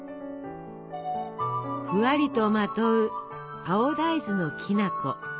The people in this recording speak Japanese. ふわりとまとう青大豆のきな粉。